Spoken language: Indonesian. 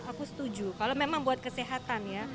aku setuju kalau memang buat kesehatan ya